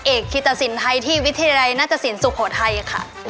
เอกศิลป์สินไทยที่วิทยาลัยนาศสินสุโขทัยค่ะ